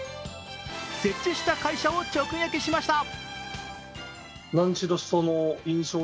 設置した会社を直撃しました。